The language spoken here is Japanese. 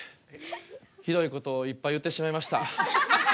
ひどいことをいっぱい言ってしまいました。